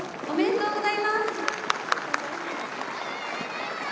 おめでとうございます。